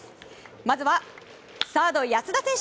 まずはサード、安田選手。